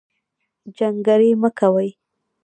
جنګرې مۀ کوئ